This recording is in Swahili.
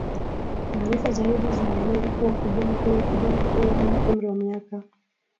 taarifa zaidi zinaeleza kuwa kijana huyo kijana huyo mwenye umri wa miaka